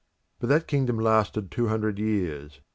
But that kingdom lasted two hundred years.